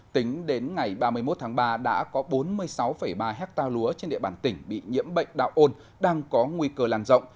tính đến ngày ba mươi một tháng ba đã có bốn mươi sáu ba hectare lúa trên địa bàn tỉnh bị nhiễm bệnh đạo ôn đang có nguy cơ lan rộng